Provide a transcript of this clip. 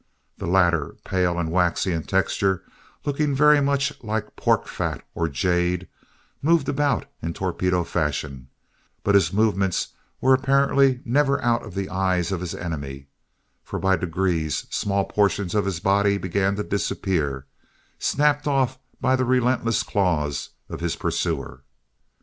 The latter, pale and waxy in texture, looking very much like pork fat or jade, moved about in torpedo fashion; but his movements were apparently never out of the eyes of his enemy, for by degrees small portions of his body began to disappear, snapped off by the relentless claws of his pursuer.